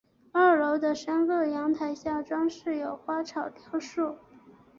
二楼的三个阳台下装饰有花草雕塑。